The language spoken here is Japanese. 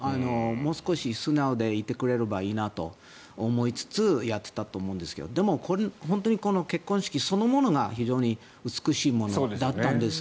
もう少し素直でいてくれればいいなと思いつつやっていたと思うんですがでも本当にこの結婚式そのものが非常に美しいものだったんです。